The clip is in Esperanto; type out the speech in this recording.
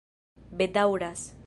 bedaŭras